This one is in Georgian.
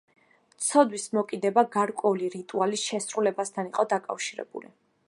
ცოდვის მოკიდება გარკვეული რიტუალის შესრულებასთან იყო დაკავშირებული.